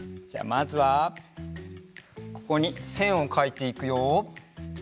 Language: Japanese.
じゃあまずはここにせんをかいていくよ。